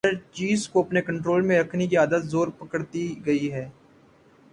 ہر چیز کو اپنے کنٹرول میں رکھنے کی عادت زور پکڑتی گئی ہے۔